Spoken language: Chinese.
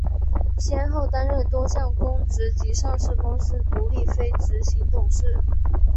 先后担任多项公职及上市公司独立非执行董事。